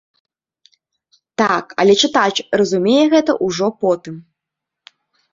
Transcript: Так, але чытач разумее гэта ўжо потым.